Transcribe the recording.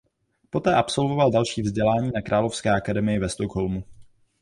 Poté absolvoval další vzdělání na Královské akademii ve Stockholmu.